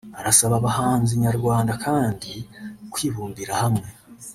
arasaba abahanzi nyarwanda kandi kwibumbira hamwe